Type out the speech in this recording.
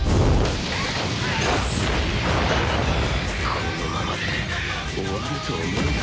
このままで終わると思うな。